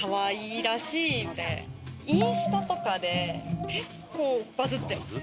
インスタとかで結構バズってます。